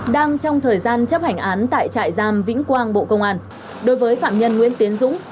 đang trong thời gian chấp hành án tại trại giam vĩnh quang bộ công an đối với phạm nhân nguyễn tiến dũng